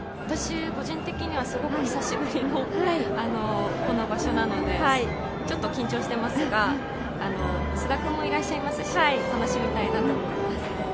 私、個人的にはすごく久しぶりのこの場所なので、ちょっと緊張してますが、菅田君もいらっしゃいますしね、楽しみたいなと思います。